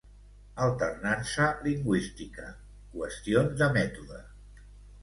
Alternança lingüística: qüestions de mètode.